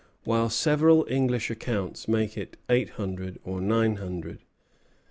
] while several English accounts make it eight hundred or nine hundred.